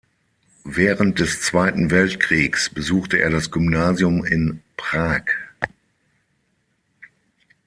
Während des Zweiten Weltkriegs besuchte er das Gymnasium in Prag.